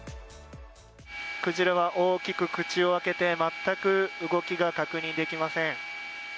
クジラが大きく口を開けて全く動きが確認できません。